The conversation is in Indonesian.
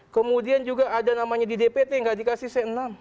kemudian juga ada namanya di dpt nggak dikasih c enam